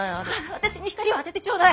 私に光を当ててちょうだい！